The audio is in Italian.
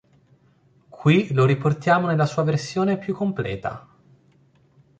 Qui lo riportiamo nella sua versione più completa.